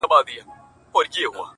په لومړۍ ونه کي بند یې سول ښکرونه -